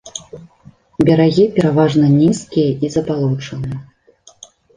Берагі пераважна нізкія і забалочаныя.